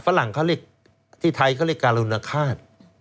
ฝรั่งที่ไทยเขาเรียกว่าการุณคาต